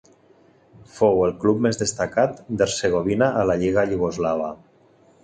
Fou el club més destacat d'Hercegovina a la lliga iugoslava.